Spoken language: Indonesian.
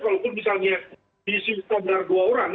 kalaupun misalnya diisi sekedar dua orang